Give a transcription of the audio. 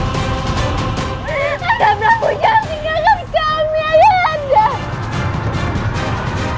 pasang depuis akhir dosa penghantaran van kita